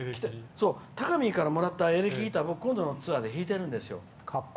たかみーからもらったエレキギター僕、今度のツアーで弾いてるんですよ。